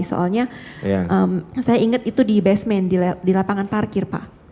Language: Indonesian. soalnya saya ingat itu di basement di lapangan parkir pak